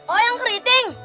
oh yang keriting